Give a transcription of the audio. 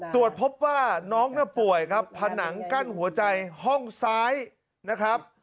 ตรวจพบว่าน้องน่าป่วยครับผนังกั้นหัวใจห้องซ้ายนะครับ